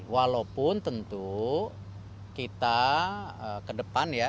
walaupun tentu kita ke depan ya